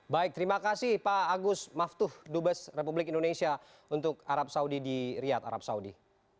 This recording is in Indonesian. baik terima kasih pak agus maftuh dubes republik indonesia untuk arab saudi di riyad arab saudi